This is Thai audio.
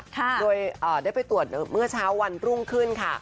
โดยได้ไปตรวจเมื่อเช้าวันรุ่งขึ้นค่ะ